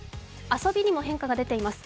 遊びにも変化が出ています。